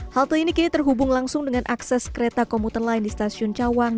halte ini kini terhubung langsung dengan akses kereta komuter lain di stasiun cawang